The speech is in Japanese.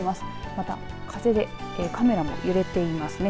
また風でカメラが揺れていますね。